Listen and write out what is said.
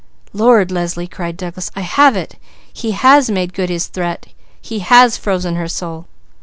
Lord, Leslie!" cried Douglas, "I have it! He has made good his threat. He has frozen her soul!